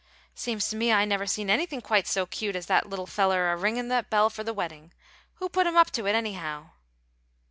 "Seems to me I never seen anything quite so cute as that little feller a ringin' that bell for the weddin'. Who put him up to it, anyhow?"